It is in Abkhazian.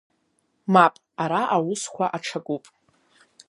Мап ара аусқәа аҽакуп.